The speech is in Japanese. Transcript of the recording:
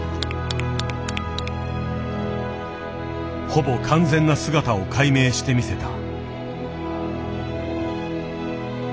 ほぼ完全な姿を解明してみせた。